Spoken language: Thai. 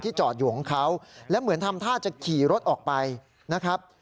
จอดอยู่ของเขาและเหมือนทำท่าจะขี่รถออกไปนะครับ